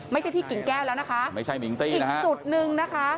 ไม่ใช่ที่กิ่งแก้วแล้วนะคะอีกจุดหนึ่งนะคะ